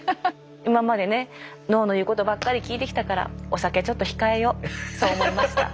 今までね脳の言うことばっかり聞いてきたからお酒ちょっと控えようそう思いました。